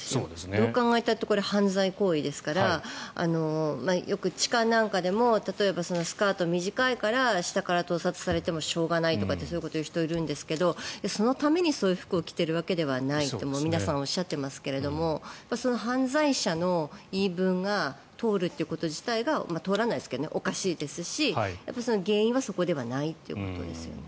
どう考えたってこれは犯罪行為ですからよく痴漢なんかでも例えば、スカートが短いから下から盗撮されてもしょうがないとかってそういうことを言う人いるんですけどそのためにそういう服を着ているわけではないと皆さんおっしゃってますけれどもその犯罪者の言い分が通るということ自体が通らないですけどおかしいですし原因はそこではないということですよね。